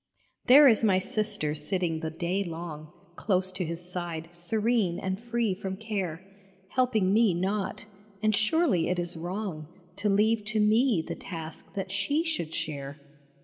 There is my sister sitting the day long Close to His side, serene and free from care, Helping me not ; and surely it is wrong To leave to me the task that she should share.